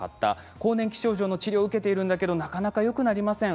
更年期症状の治療を受けているんだけどなかなかよくなりません